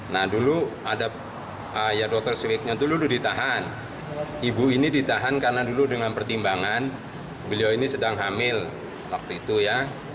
nah dulu ada ayah dokter sidiknya dulu ditahan ibu ini ditahan karena dulu dengan pertimbangan beliau ini sedang hamil waktu itu ya